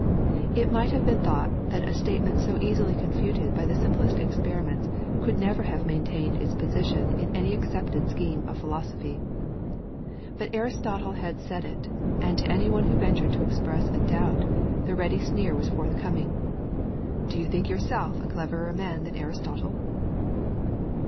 It might have been thought that a statement so easily confuted by the simplest experiments could never have maintained its position in any accepted scheme of philosophy. But Aristotle had said it, and to anyone who ventured to express a doubt the ready sneer was forthcoming, "Do you think yourself a cleverer man than Aristotle?"